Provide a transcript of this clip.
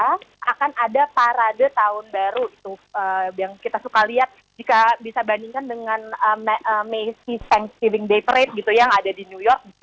mereka akan ada parade tahun baru itu yang kita suka lihat jika bisa dibandingkan dengan macy thanksgiving day parade gitu yang ada di new york